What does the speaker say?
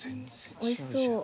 おいしそう！